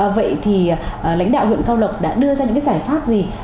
vậy thì lãnh đạo huyện cao lộc đã đưa ra những cái giải pháp gì